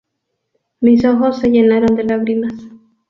Mis ojos se llenaron de lágrimas.